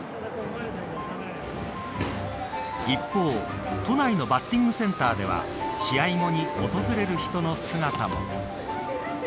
一方、都内のバッティングセンターでは試合後に訪れる人の姿も。